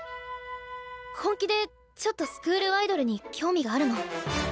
本気でちょっとスクールアイドルに興味があるの。